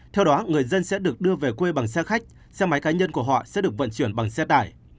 theo đó người dân sẽ được đưa về quê bằng xe khách xe máy cá nhân của họ sẽ được vận chuyển bằng xe tải